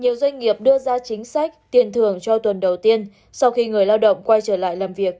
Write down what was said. nhiều doanh nghiệp đưa ra chính sách tiền thưởng cho tuần đầu tiên sau khi người lao động quay trở lại làm việc